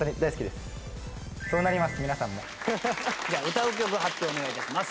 歌う曲発表お願い致します。